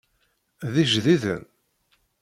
D ijdiden?